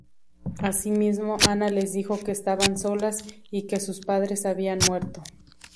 Asimismo, Ana les dijo que estaban solas, y que sus padres habían muerto.